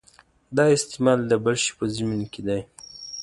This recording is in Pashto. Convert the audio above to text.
دا استعمال د بل شي په ضمن کې دی.